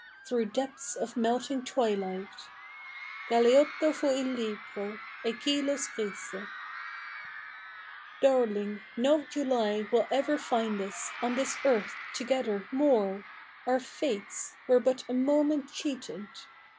Through depths of imlting tivilight. Galeotto fu il libro, e chi lo scrisse. Darling, no July zvi II ever find us On this earth, together, more. Our fates IVere but a moment cheated.